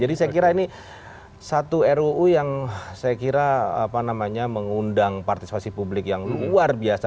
jadi saya kira ini satu ruu yang saya kira apa namanya mengundang partisipasi publik yang luar biasa